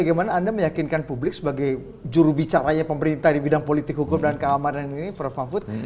bagaimana anda meyakinkan publik sebagai jurubicaranya pemerintah di bidang politik hukum dan keamanan ini prof mahfud